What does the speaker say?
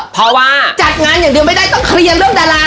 เพราะว่าจัดงานอย่างเดียวไม่ได้ต้องเคลียร์เรื่องดารา